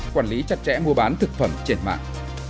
quản lý chặt chẽ mua bán thực phẩm trên mạng